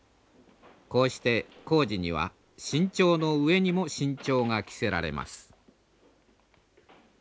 こうして工事には慎重の上にも慎重が期せられます。